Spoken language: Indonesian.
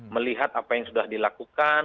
melihat apa yang sudah dilakukan